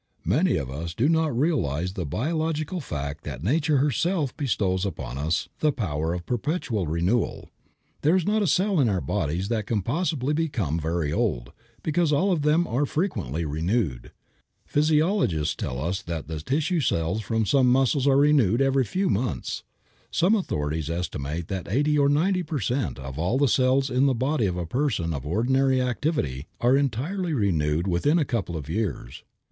Many of us do not realize the biological fact that Nature herself bestows upon us the power of perpetual renewal. There is not a cell in our bodies that can possibly become very old, because all of them are frequently renewed. Physiologists tell us that the tissue cells of some muscles are renewed every few months. Some authorities estimate that eighty or ninety per cent. of all the cells in the body of a person of ordinary activity are entirely renewed within a couple of years.